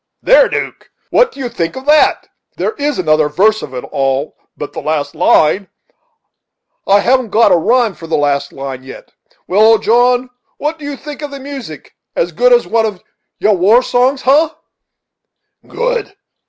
"There, 'Duke, what do you think of that? There is another verse of it, all but the last line. I haven't got a rhyme for the last line yet. Well, old John, what do you think of the music? as good as one of your war songs, ha?" "Good!"